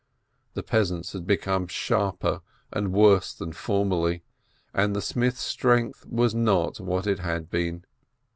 The peasants had become sharper and worse than for merly, and the smith's strength was hot what it had been.